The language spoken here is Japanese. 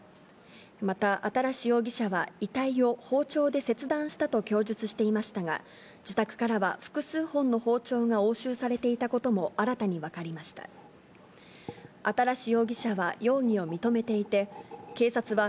また新容疑者は、遺体を包丁で切断したと供述していましたが、自宅からは複数本の包丁が押収されていたことも新たに分かりましあ゛ーーー！